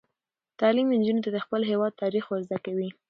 تعلیم نجونو ته د خپل هیواد تاریخ ور زده کوي.